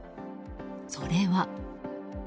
それは。